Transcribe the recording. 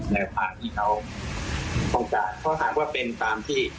ในทางที่เขาต้องการเพราะหากว่าเป็นตามที่